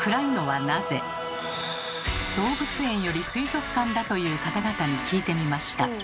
動物園より水族館だという方々に聞いてみました。